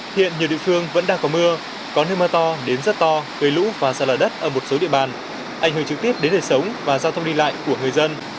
hiện nhiều địa phương vẫn đang có mưa có nơi mưa to đến rất to gây lũ và sạt lở đất ở một số địa bàn ảnh hưởng trực tiếp đến đời sống và giao thông đi lại của người dân